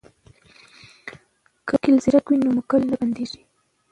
که وکیل زیرک وي نو موکل نه بندی کیږي.